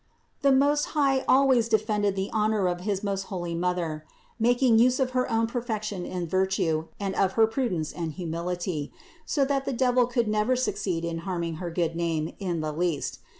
The Most High always defended the honor of his most holy Mother, making use of her own perfection in virtue and of her prudence and humil ity, so that the devil could never succeed in harming her good name in the least.